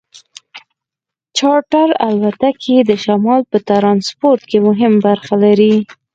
چارټر الوتکې د شمال په ټرانسپورټ کې مهمه برخه لري